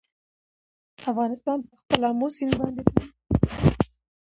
افغانستان په خپل آمو سیند باندې تکیه لري.